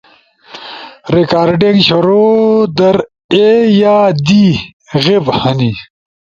ریکارڈنگ شروع در اے یا دی غیب ہنی۔